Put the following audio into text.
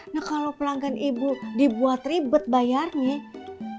nah kalau pelanggan ibu dibuat ribet bayarnya